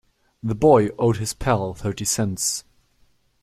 The boy owed his pal thirty cents.